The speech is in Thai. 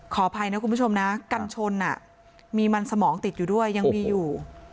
ขออภัยนะคุณผู้ชมนะกันชนมีมันสมองติดอยู่ด้วยยังมีอยู่